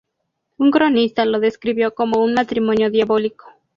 Un cronista lo describió como un "matrimonio diabólico".